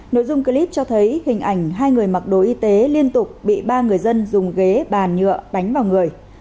nội dung clip cho thấy hình ảnh hai người mặc đồ y tế liên tục bị ba người dân dùng ghế bàn nhựa đánh vào người